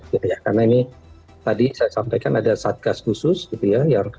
karena ini tadi saya sampaikan ada satgas khusus gitu ya